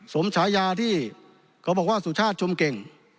ฉายาที่เขาบอกว่าสุชาติชมเก่ง